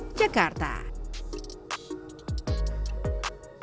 jangan lupa like share dan subscribe ya